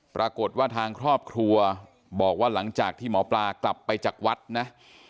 ปรากฏว่าทางครอบครัวบอกว่าหลังจากที่หมอปลากลับไปจากวัดนะ